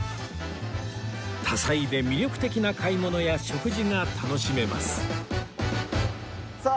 多彩で魅力的な買い物や食事が楽しめますさあ。